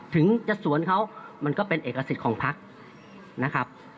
ถึงจะสวนเขามันก็เป็นเอกสิทธิ์ของพักนะครับ